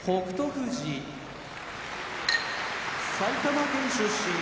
富士埼玉県出身